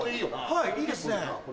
はいいいですね。